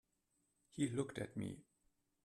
He looked at me.